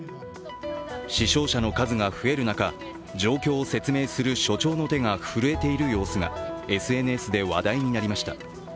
死傷者の数が増える中、状況を説明する署長の手が震えている様子がＳＮＳで話題になりました。